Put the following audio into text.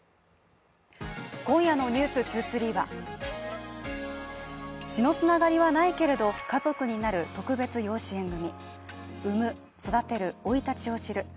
今夜の「ｎｅｗｓ２３」は血の繋がりはないけれど、家族になる特別養子縁組。